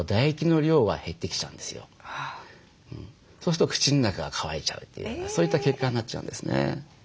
そうすると口の中が渇いちゃうというようなそういった結果になっちゃうんですね。